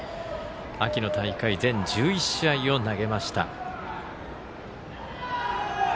秋の大会全１１試合を投げました。